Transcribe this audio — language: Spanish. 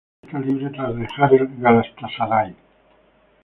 Actualmente está libre tras dejar el Galatasaray.